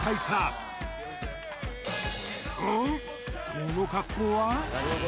この格好は？